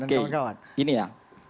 kawan kawan ini ya